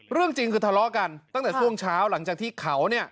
เรื่องจริงคือทะเลาะกันตั้งแต่ช่วงเช้าหลังจากที่เขาเนี่ย